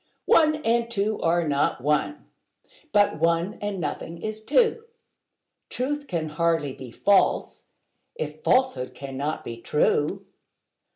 One and two are not one: but one and nothing is two: Truth can hardly be false, if falsehood cannot be true.